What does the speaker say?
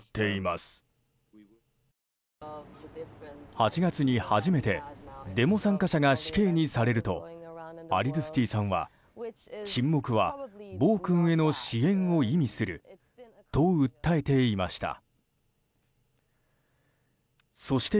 ８月に初めてデモ参加者が死刑にされるとアリドゥスティさんは沈黙は暴君への支援を意味すると訴えていました。